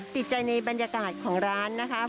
ติดใจในบรรยากาศของร้านนะคะ